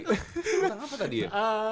tentang apa tadi ya